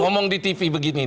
ngomong di tv begini